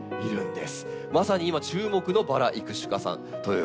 まさに今注目のバラ育種家さんということで。